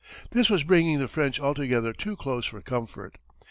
This was bringing the French altogether too close for comfort.